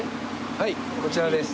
はいこちらです。